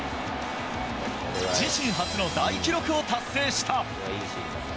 自身初の大記録を達成した。